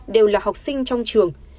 đều là học sinh trong trường